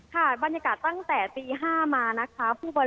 ค่ะบรรยากาศตั้งแต่ตี๕มานะคะ